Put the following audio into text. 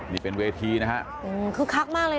นี่เป็นเวทีนะฮะคึกคักมากเลย